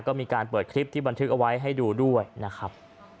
ก็มีการเปิดคลิปที่บันทึกเอาไว้ให้ดูด้วยนะครับ